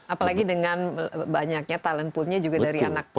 apalagi dengan banyaknya talent poolnya juga dari anak muda